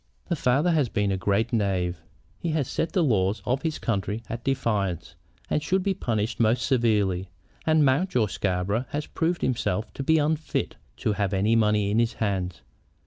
"The father has been a great knave. He has set the laws of his country at defiance, and should be punished most severely. And Mountjoy Scarborough has proved himself to be unfit to have any money in his hands.